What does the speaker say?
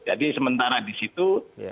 jadi sementara di situ